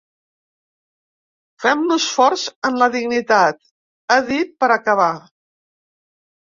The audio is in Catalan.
Fem-nos forts en la dignitat, ha dit per acabar.